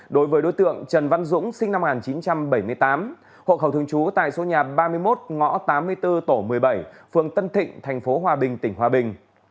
đối với đối tượng trần văn dũng sinh năm một nghìn chín trăm bảy mươi tám hộ khẩu thường trú tại số nhà ba mươi một ngõ tám mươi bốn tổ một mươi bảy phường tân thịnh tp hòa bình tỉnh hòa bình